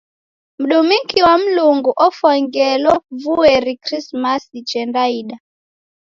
Mdumiki wa Mlungu ofwa ngelo vueri Krismasi chendaida.